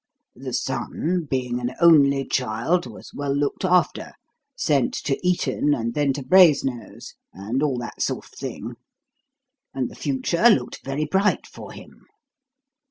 The son, being an only child, was well looked after sent to Eton and then to Brasenose, and all that sort of thing and the future looked very bright for him.